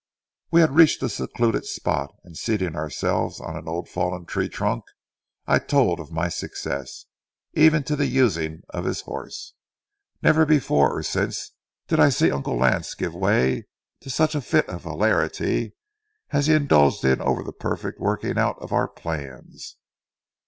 We had reached a secluded spot, and, seating ourselves on an old fallen tree trunk, I told of my success, even to the using of his horse. Never before or since did I see Uncle Lance give way to such a fit of hilarity as he indulged in over the perfect working out of our plans.